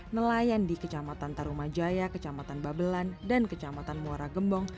nelayan di kecamatan tarumajaya kecamatan babelan dan kecamatan muara gembong